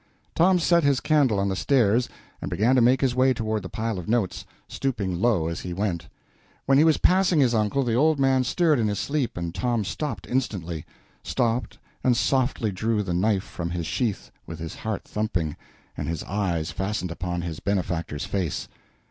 Tom set his candle on the stairs, and began to make his way toward the pile of notes, stooping low as he went. When he was passing his uncle, the old man stirred in his sleep, and Tom stopped instantly stopped, and softly drew the knife from its sheath, with his heart thumping, and his eyes fastened upon his benefactor's face.